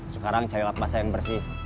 sekarang cari lap masa yang bersih